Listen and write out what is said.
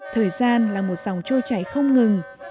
thời gian là một dòng trôi chảy không ngừng